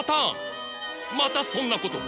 またそんなことを！